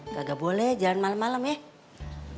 kagak boleh jalan malem malem ya